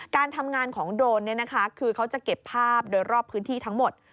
การทำงานของโดรนคือเขาจะเก็บภาพโดยรอบพื้นที่ทั้งหมด